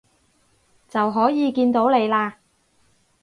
就可以見到你喇